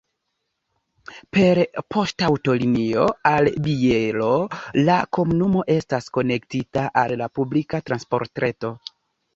Per poŝtaŭtolinio al Bielo la komunumo estas konektita al la publika transportreto.